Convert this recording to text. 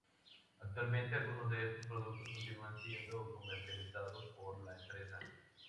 Actualmente algunos de estos productos continúan siendo comercializados por la empresa.